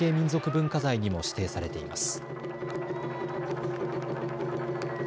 文化財にも指定されています。